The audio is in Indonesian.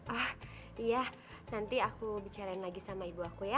ah iya nanti aku bicarain lagi sama ibu aku ya